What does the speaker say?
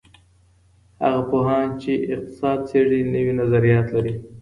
هغه پوهان چی اقتصاد څېړي نوي نظريات لري.